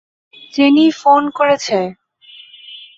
চেনি ফোন করেছে।